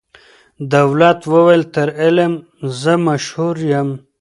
دولت وویل تر علم زه مشهور یم